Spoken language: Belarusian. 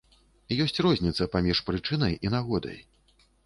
Ёсць розніца паміж прычынай і нагодай.